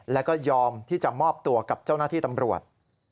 แล้วก็ยอมที่จะมอบตัวกับเจ้าหน้าที่ตำรวจ